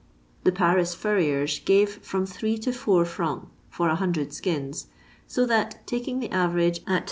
The Paris furriers gave from threa to four franei for 100 skins, so that, taking the average at 8«.